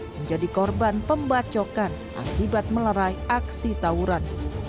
menjadi korban pembacokan akibat melerai aksi tawuran